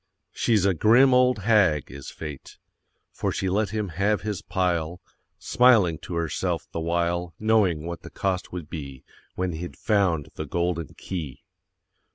She's a grim old hag, is Fate, For she let him have his pile, Smiling to herself the while, Knowing what the cost would be, When he'd found the Golden Key.